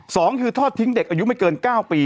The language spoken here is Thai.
สองคือทอดทิ้งเด็กอายุไม่เกินเก้าปี